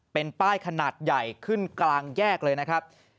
เป็นป้ายขนาดใหญ่ขึ้นกลางแยกเลยนะครับ